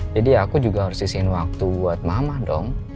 jadi aku juga harus isiin waktu buat mama dong